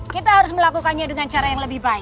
kita harus melakukannya dengan cara yang lebih baik